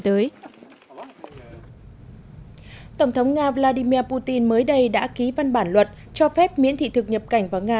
tổng thống nga vladimir putin mới đây đã ký văn bản luật cho phép miễn thị thực nhập cảnh vào nga